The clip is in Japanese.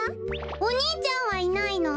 お兄ちゃんはいないの？